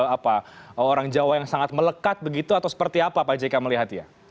apa orang jawa yang sangat melekat begitu atau seperti apa pak jk melihatnya